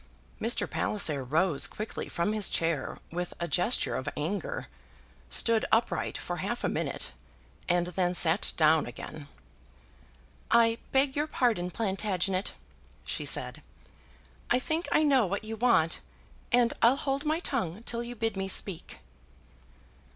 Mr. Palliser rose quickly from his chair with a gesture of anger, stood upright for half a minute, and then sat down again. "I beg your pardon, Plantagenet," she said. "I think I know what you want, and I'll hold my tongue till you bid me speak."